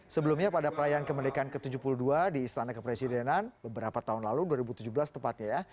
sebelumnya pada perayaan kemerdekaan ke tujuh puluh dua di istana kepresidenan beberapa tahun lalu dua ribu tujuh belas tepatnya ya